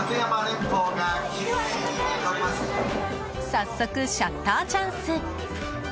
早速、シャッターチャンス！